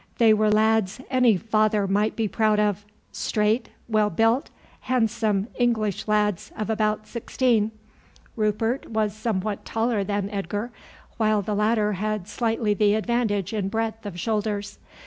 They were lads any father might be proud of, straight, well built, handsome English lads of about sixteen. Rupert was somewhat taller than Edgar, while the latter had slightly the advantage in breadth of shoulders.